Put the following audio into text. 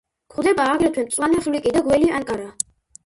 გვხვდება აგრეთვე მწვანე ხვლიკი და გველი ანკარა.